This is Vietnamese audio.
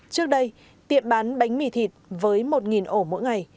trước đây tiệm bán bánh mì thịt với một ổ mỗi ngày